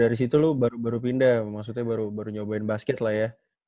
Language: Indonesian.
dari situ lo baru baru pindah maksudnya baru nyobain basket lah ya